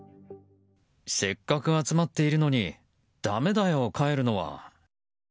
せっかく集まっているのにだめだよ、帰るのは。